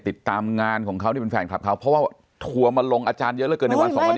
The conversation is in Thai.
ติดตามงานของเขาที่เป็นแฟนคลับเขาเพราะว่าถั่วมาลงอาจารย์เยอะเกินในวันสอง